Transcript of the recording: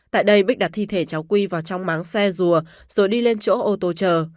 tại đây bích đặt thi thể cháu quy vào trong máng xe rùa rồi đi lên chỗ ô tô chờ